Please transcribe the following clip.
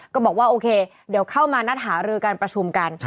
ก็บอกว่าโอเคเดี๋ยวเข้ามานัดหารือการประชุมกัน